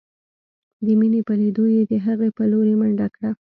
د مينې په ليدو يې د هغې په لورې منډه کړه.